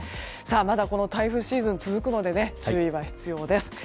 まだ台風シーズンは続くので注意は必要です。